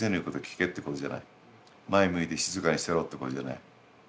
前向いて静かにしてろってことじゃない。